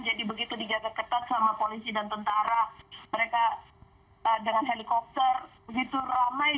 jadi begitu dijaga ketat sama polisi dan tentara mereka dengan helikopter begitu ramai